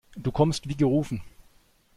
Du kommst wie gerufen.